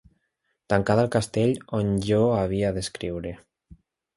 Tancada al castell, on jo havia d’escriure.